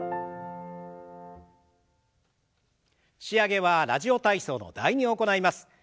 仕上げは「ラジオ体操」の「第２」を行います。